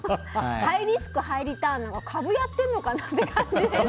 ハイリスクハイリターンなんて株やっているのかなっていう感じですよね。